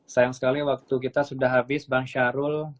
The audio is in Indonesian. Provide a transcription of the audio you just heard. sayang sekali waktu kita sudah habis bang syahrul